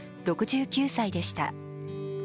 ６９歳でした。